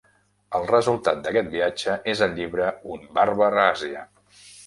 El resultat d'aquest viatge és el llibre "Un Bàrbar a Àsia".